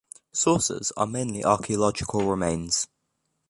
Sources are mainly archaeological remains.